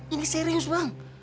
ini serius bang